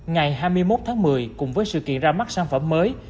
ngày hai mươi một tháng một mươi cùng với sự kiện ra mắt sản phẩm mới